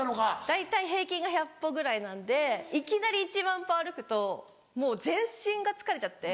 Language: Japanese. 大体平均が１００歩ぐらいなんでいきなり１万歩歩くともう全身が疲れちゃって。